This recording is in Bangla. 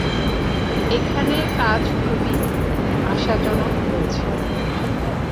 এখানে কাজ খুবই আশাজনক হয়েছে।